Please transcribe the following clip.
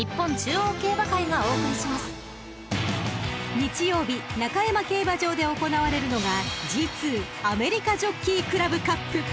［日曜日中山競馬場で行われるのがＧⅡアメリカジョッキークラブカップ］